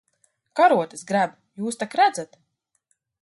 Karotes grebu. Jūs tak redzat.